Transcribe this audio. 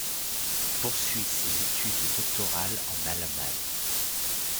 Il poursuit ses études doctorales en Allemagne.